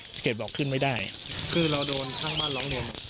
เกรดบอกขึ้นไม่ได้คือเราโดนช่างบ้านร้องเรียน